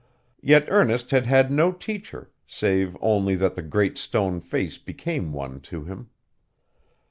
Yet Ernest had had no teacher, save only that the Great Stone Face became one to him.